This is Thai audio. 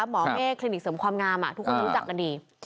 หมอเมฆคลินิกเสริมความงามทุกคนรู้จักกันดี